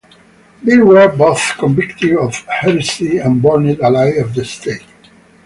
They were both convicted of heresy and burned alive at the stake.